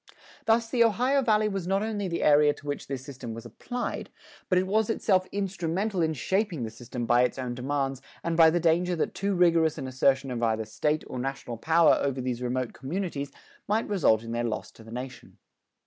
Thus the Ohio Valley was not only the area to which this system was applied, but it was itself instrumental in shaping the system by its own demands and by the danger that too rigorous an assertion of either State or national power over these remote communities might result in their loss to the nation.